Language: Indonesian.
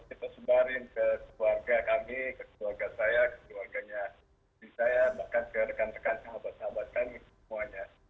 kita sebarin ke keluarga kami ke keluarga saya ke keluarganya di saya bahkan ke rekan rekan sahabat sahabat kami semuanya